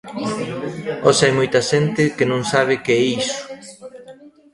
Hoxe hai moita xente que non sabe que é iso.